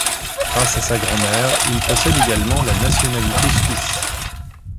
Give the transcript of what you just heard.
Grâce à sa grand-mère, il possède également la nationalité suisse.